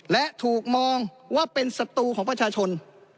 และถูกมองว่าเป็นศัตรูของประชาชน